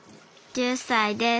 １０歳です